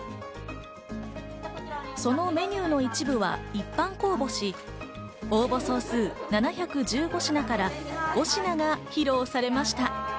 そのメニューの一部は一般公募し、応募総数７１５品から５品が披露されました。